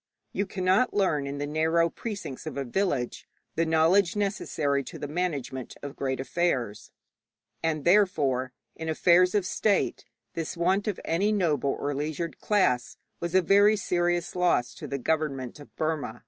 You cannot learn in the narrow precincts of a village the knowledge necessary to the management of great affairs; and therefore in affairs of state this want of any noble or leisured class was a very serious loss to the government of Burma.